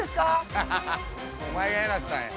アハハお前がやらせたんや。